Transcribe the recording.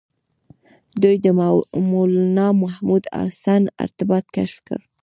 دوی د مولنا محمود الحسن ارتباط کشف کړ.